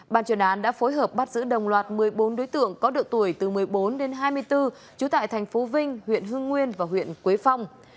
bàn chuyên án đã phối hợp bắt giữ đồng loạt một mươi bốn đối tượng có độ tuổi từ một mươi bốn đến hai mươi bốn trú tại thành phố vinh huyện hương nguyên và huyện quế phong